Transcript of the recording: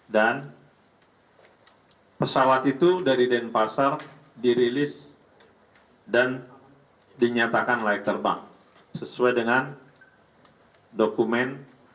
dan pesawat itu dari denpasar dirilis dan dinyatakan layak terbang sesuai dengan dokumen